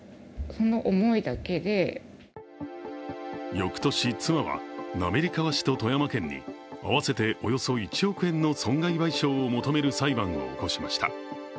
翌年、妻は滑川市と富山県に合わせておよそ１億円の損害賠償を求める裁判を起こしました。